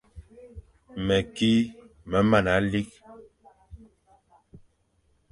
Meki me mana likh.